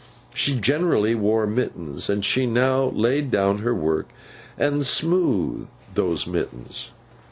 She generally wore mittens, and she now laid down her work, and smoothed those mittens.